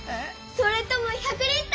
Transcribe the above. それとも１００Ｌ？